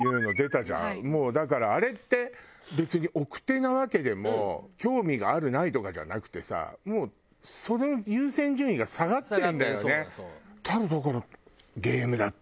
もうだからあれって別におくてなわけでも興味があるないとかじゃなくてさもうその優先順位が下がってるんだよね。